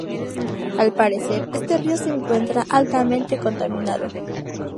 Al parecer este río se encuentra altamente contaminado.